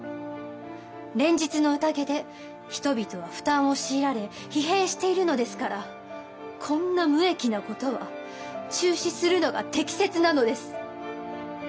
連日の宴で人々は負担を強いられ疲弊しているのですからこんな無益なことは中止するのが適切なのです。